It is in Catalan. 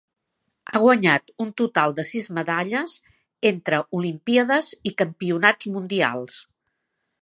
Ha guanyat un total de sis medalles entre Olimpíades i Campionats Mundials.